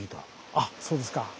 あっそうですか。